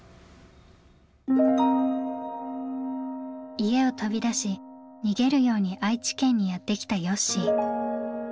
家を飛び出し逃げるように愛知県にやって来たよっしー。